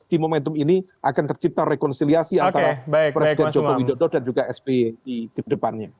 di momentum ini akan tercipta rekonsiliasi antara presiden jokowi dodo dan juga spi ke depannya